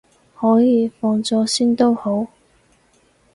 可以，放咗先都好